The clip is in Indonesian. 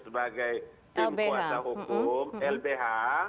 sebagai tim kuasa hukum lbh